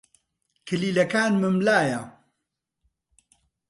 کلیلەکانمم لایە.